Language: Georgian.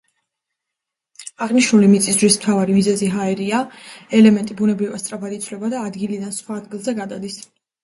აღნიშნული მიწისძვრის მთავარი მიზეზი ჰაერია, ელემენტი ბუნებრივად სწრაფად იცვლება და ადგილიდან სხვა ადგილზე გადადის.